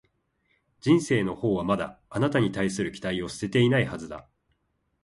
人生のほうはまだ、あなたに対する期待を捨てていないはずだ